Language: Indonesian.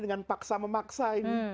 dengan paksa memaksa ini